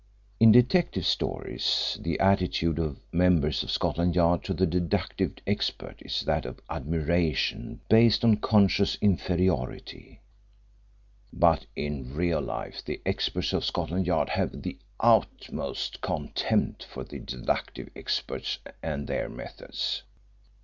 In detective stories the attitude of members of Scotland Yard to the deductive expert is that of admiration based on conscious inferiority, but in real life the experts of Scotland Yard have the utmost contempt for the deductive experts and their methods.